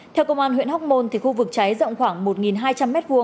theo công an huyện hóc môn khu vực cháy rộng khoảng một hai trăm linh m hai